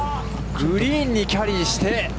グリーンにキャリーして。